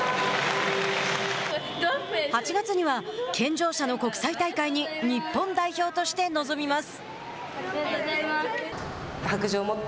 ８月には健常者の国際大会に日本代表として臨みます。